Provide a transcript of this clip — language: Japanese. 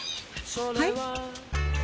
はい？